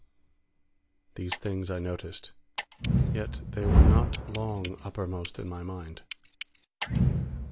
These things I noticed, yet they were not long uppermost in my mind.